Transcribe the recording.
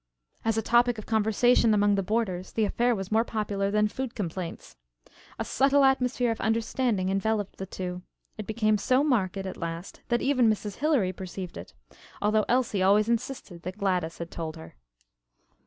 As a topic of conversation among the boarders the affair was more popular than food complaints. A subtile atmosphere of understanding enveloped the two. It became so marked at last that even Mrs. Hilary perceived it although Elsie always insisted that Gladys had told her.